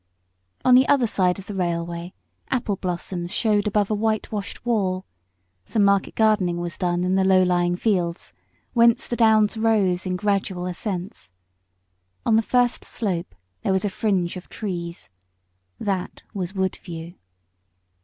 On the other side of the railway apple blossoms showed above a white washed wall; some market gardening was done in the low lying fields, whence the downs rose in gradual ascents. On the first slope there was a fringe of trees. That was Woodview.